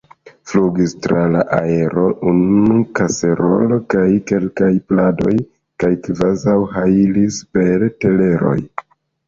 Flugis tra la aero unu kaserolo, kaj kelkaj pladoj, kaj kvazaŭ hajlis per teleroj.